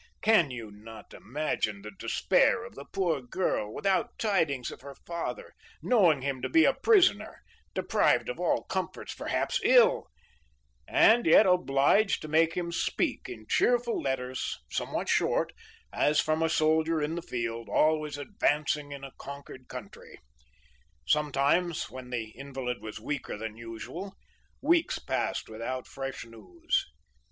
Can you not imagine the despair of the poor girl, without tidings of her father, knowing him to be a prisoner, deprived of all comforts, perhaps ill, and yet obliged to make him speak in cheerful letters, somewhat short, as from a soldier in the field, always advancing in a conquered country. Sometimes, when the invalid was weaker than usual, weeks passed without fresh news.